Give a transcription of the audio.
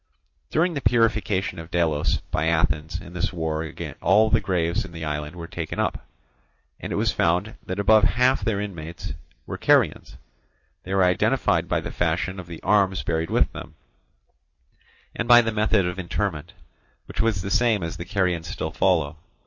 During the purification of Delos by Athens in this war all the graves in the island were taken up, and it was found that above half their inmates were Carians: they were identified by the fashion of the arms buried with them, and by the method of interment, which was the same as the Carians still follow.